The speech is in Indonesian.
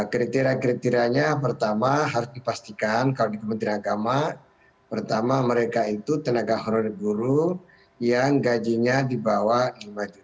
kriteria kriteriannya pertama harus dipastikan kalau di kementerian agama pertama mereka itu tenaga honor guru yang gaji nya dibawah lima juta rupiah per bulan